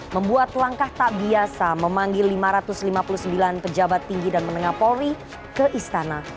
membuat langkah tak biasa memanggil lima ratus lima puluh sembilan pejabat tinggi dan menengah polri ke istana